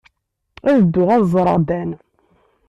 Ad dduɣ ad ẓreɣ Dan.